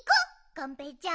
がんぺーちゃん。